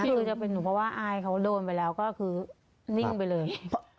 คือจะเป็นหนูเพราะว่าอายเขาโดนไปแล้วก็คือนิ่งไปเลย